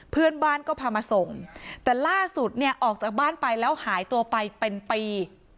เพื่อนบ้านก็พามาส่งแต่ล่าสุดเนี่ยออกจากบ้านไปแล้วหายตัวไปเป็นปี